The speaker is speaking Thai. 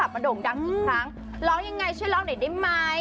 เป็นเรื่องไม่ได้